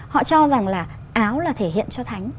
họ cho rằng là áo là thể hiện cho thánh